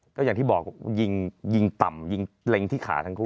ก็อย่างที่บอกยิงต่ำยิงเล็งที่ขาทั้งคู่